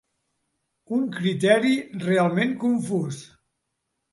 Un criteri realment confús.